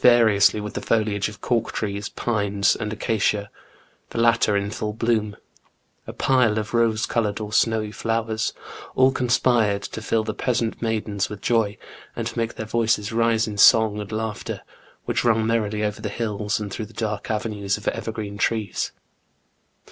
variously with the foliage of cork trees, pines, and acacia, the latter in full bloom, a pile of rose coloured or snowy flowers, — all conspired to fill the peasant maidens with joy, and to make their voices rise in song and laughter, which rung merrily over the hills, and through the dark avenues of evergreen trees.